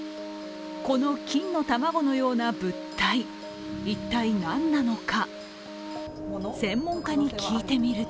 この金の卵のような物体、一体何なのか。